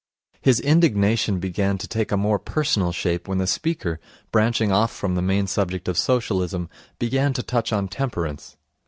His indignation began to take a more personal shape when the speaker, branching off from the main subject of Socialism, began to touch on temperance.